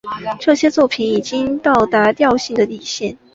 这些作品已到达调性的底线。